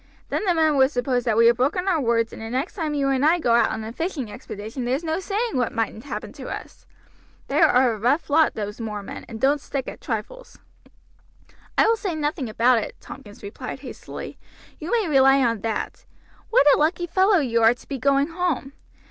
Then the men would suppose that we had broken our words, and the next time you and I go out on a fishing expedition there's no saying what mightn't happen to us. They are a rough lot those moor men, and don't stick at trifles." "I will say nothing about it," Tompkins replied hastily; "you may rely on that. What a lucky fellow you are to be going home!